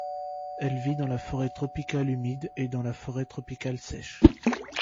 Elle vit dans la forêt tropicale humide et dans la forêt tropicale sèche.